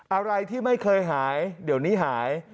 อะไรที่ไม่เคยหายเดี๋ยวนี้หาย